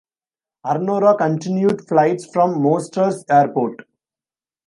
Arnoro continued flights form Mostar's airport.